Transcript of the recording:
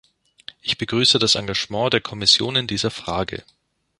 Ich begrüße das Engagement der Kommission in dieser Frage.